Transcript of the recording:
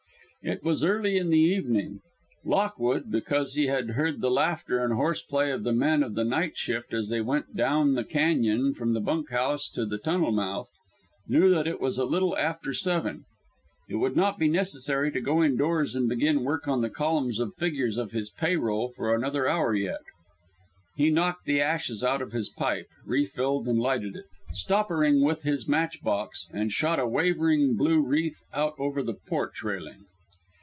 It was early in the evening. Lockwood, because he had heard the laughter and horseplay of the men of the night shift as they went down the cañon from the bunk house to the tunnel mouth, knew that it was a little after seven. It would not be necessary to go indoors and begin work on the columns of figures of his pay roll for another hour yet. He knocked the ashes out of his pipe, refilled and lighted it stoppering with his match box and shot a wavering blue wreath out over the porch railing.